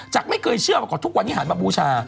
จากไม่เคยเชื่อมากว่าทุกวันนี้หามาบูชา